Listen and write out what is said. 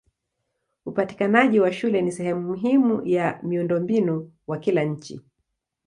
Upatikanaji wa shule ni sehemu muhimu ya miundombinu wa kila nchi.